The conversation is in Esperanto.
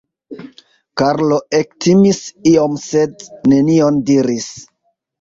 Karlo ektimis iom sed nenion diris.